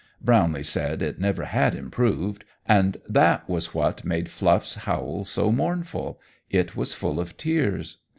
Brownlee said it never had improved, and that was what made Fluff's howl so mournful it was full of tears.